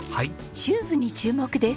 シューズに注目です！